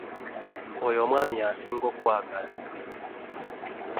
Oyo omwami yasinga okukwagala.